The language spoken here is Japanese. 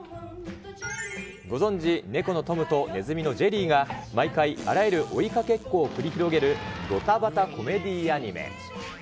ご存じ、猫のトムとネズミのジェリーが、毎回、あらゆる追いかけっこを繰り広げる、どたばたコメディーアニメ。